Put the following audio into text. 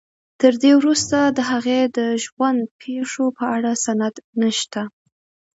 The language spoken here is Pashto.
تر دې وروسته د هغې د ژوند پېښو په اړه سند نشته.